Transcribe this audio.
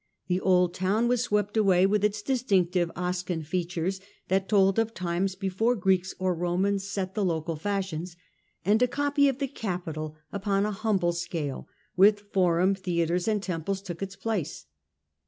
The old town was swept away, with its distinctive Oscan forms, that told of times before Greeks or Romans set the local fashions, and a copy of the capital upon a humble scale, with forum, theatres, and temples, took its place.